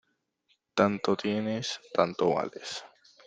Tanto tienes, tanto vales.